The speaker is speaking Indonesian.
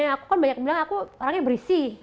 karena aku kan banyak bilang aku orangnya berisi